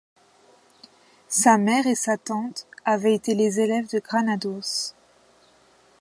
Sa mère et sa tante avaient été les élèves de Granados.